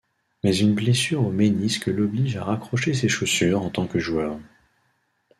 Mais une blessure au ménisque l'oblige à raccrocher ses chaussures en tant que joueurs.